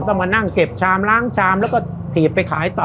ก็มานั่งเก็บชามล้างชามแล้วก็ถีบไปขายต่อ